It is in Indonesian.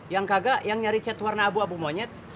yang kagak yang nyari chat warna abu abu monyet